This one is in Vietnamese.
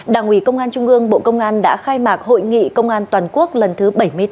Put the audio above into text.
đảng ủy công an trung ương bộ công an đã khai mạc hội nghị công an toàn quốc lần thứ bảy mươi bốn